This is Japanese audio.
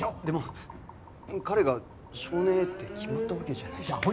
でも彼が少年Ａって決まったわけじゃないし。